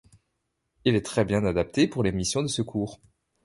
Il est très bien adapté pour les missions de secours.